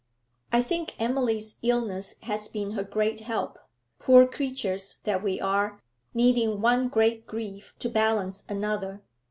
'I think Emily's illness has been her great help, poor creatures that we are, needing one great grief to balance another.